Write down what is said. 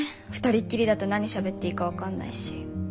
二人っきりだと何しゃべっていいか分かんないし。